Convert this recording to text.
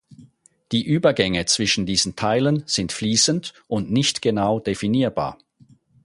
Die Übergänge zwischen diesen Teilen sind fließend und nicht genau definierbar.